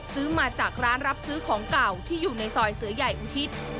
ซื้อมาจากร้านรับซื้อของเก่าที่อยู่ในซอยเสือใหญ่อุทิศ